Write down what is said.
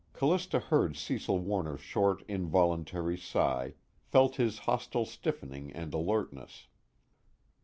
Callista heard Cecil Warner's short involuntary sigh, felt his hostile stiffening and alertness.